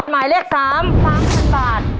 หมายเลข๓สามพันบาท